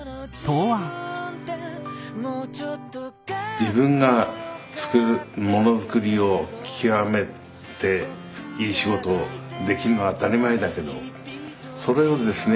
自分が作るものづくりを極めていい仕事できるのは当たり前だけどそれをですね